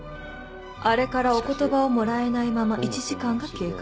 あれからお言葉をもらえないまま１時間が経過